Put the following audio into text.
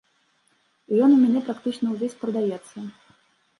І ён у мяне практычна ўвесь прадаецца.